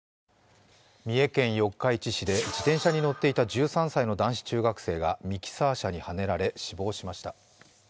三重県四日市市で自転車に乗っていた１３歳の男子中学生がミキサー車にはねられ死亡しました。